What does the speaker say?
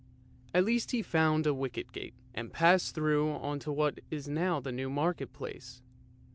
At last he found a wicket gate, and passed through on to what is now the New Market Place.